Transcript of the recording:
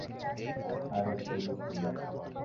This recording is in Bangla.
আরে, খুলো খুলো।